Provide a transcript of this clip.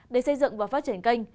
để xây dựng và phát triển kênh